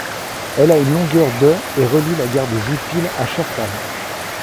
Elle a une longueur de et relie la gare de Jupille à Chertal.